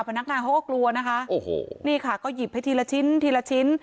พนักงานเขาก็กลัวนะคะโอ้โหนี่ค่ะก็หยิบให้ทีละชิ้นทีละชิ้น